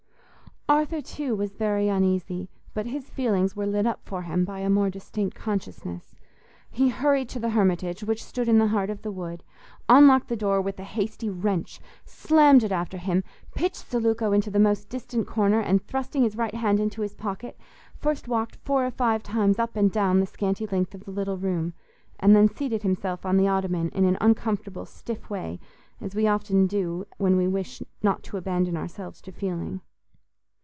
Arthur too was very uneasy, but his feelings were lit up for him by a more distinct consciousness. He hurried to the Hermitage, which stood in the heart of the wood, unlocked the door with a hasty wrench, slammed it after him, pitched Zeluco into the most distant corner, and thrusting his right hand into his pocket, first walked four or five times up and down the scanty length of the little room, and then seated himself on the ottoman in an uncomfortable stiff way, as we often do when we wish not to abandon ourselves to feeling.